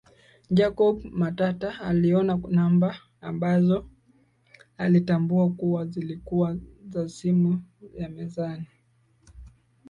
Jacob Matata aliona namba ambazo alitambua kuwa zilikuwa za simu ya mezani